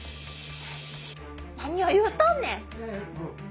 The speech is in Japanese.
何を言うとんねん。